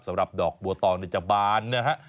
สำหรับดอกบัวตองเนื้อจากบานนะครับ